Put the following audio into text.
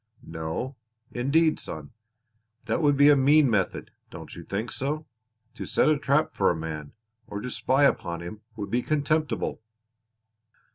"No, indeed, son. That would be a mean method; don't you think so? To set a trap for a man, or to spy upon him would be contemptible!"